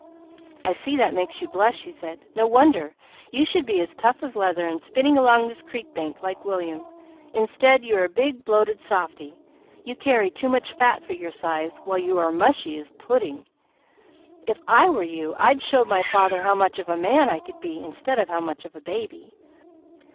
"I see that makes you blush," he said. "No wonder! You should be as tough as leather, and spinning along this creek bank like William. Instead you are a big, bloated softy. You carry too much fat for your size, while you are mushy as pudding! If I were you, I'd show my father how much of a man I could be, instead of how much of a baby."